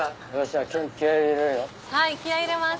はい気合入れます。